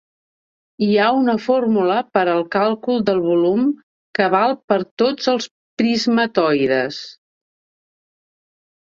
Hi ha una fórmula per al càlcul del volum que val per tots els prismatoides.